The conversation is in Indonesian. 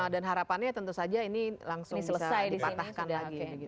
dan harapannya tentu saja ini langsung bisa dipatahkan lagi